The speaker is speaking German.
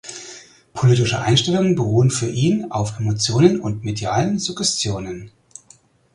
Politische Einstellungen beruhen für ihn auf Emotionen und medialen Suggestionen.